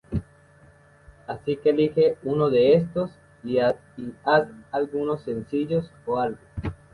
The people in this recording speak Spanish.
Así que elige uno de estos y haz algunos sencillos o algo'.